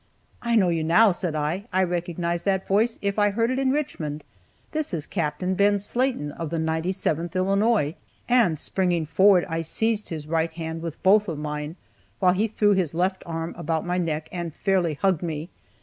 "I know you now," said I; "I'd recognize that voice if I heard it in Richmond! This is Capt. Ben Slaten, of the 97th Illinois;" and springing forward I seized his right hand with both of mine, while he threw his left arm about my neck and fairly hugged me.